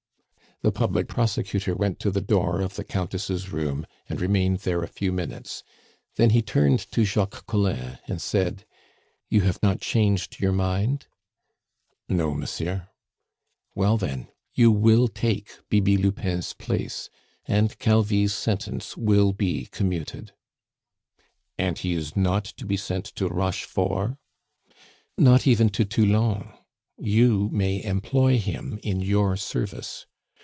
The public prosecutor went to the door of the Countess' room, and remained there a few minutes; then he turned to Jacques Collin and said: "You have not changed your mind?" "No, monsieur." "Well, then, you will take Bibi Lupin's place, and Calvi's sentence will be commuted." "And he is not to be sent to Rochefort?" "Not even to Toulon; you may employ him in your service.